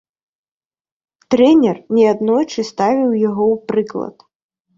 Трэнер не аднойчы ставіў яго ў прыклад.